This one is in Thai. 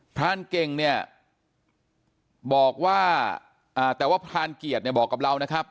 พรานเก่งเนี่ยบอกว่าอ่าแต่ว่าแต่ว่าพรานเกียรติเนี่ยบอกกับเรานะครับ